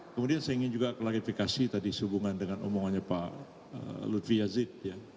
kemudian saya ingin juga klarifikasi tadi sehubungan dengan omongannya pak lutfi yazid